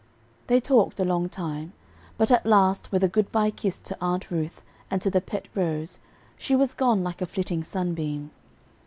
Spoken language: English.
They talked a long time, but at last, with a good by kiss to Aunt Ruth, and to the pet rose, she was gone like a flitting sunbeam.